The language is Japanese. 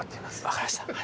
分かりました。